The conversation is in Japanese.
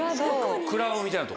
クラブみたいなとこ？